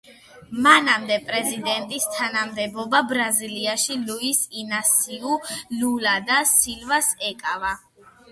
მანამდე პრეზიდენტის თანამდებობა ბრაზილიაში ლუის ინასიუ ლულა და სილვას ეკავა.